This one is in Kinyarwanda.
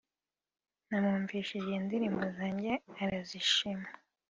namwumvishije indirimbo zanjye arazishima